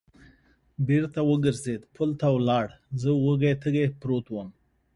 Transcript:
بېرته و ګرځېد، پل ته ولاړ، زه وږی تږی پروت ووم.